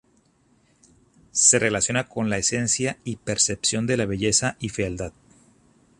Se relaciona con la esencia y percepción de la belleza y fealdad.